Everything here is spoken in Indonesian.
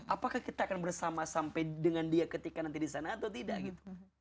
apakah kita akan bersama sampai dengan dia ketika nanti di sana atau tidak gitu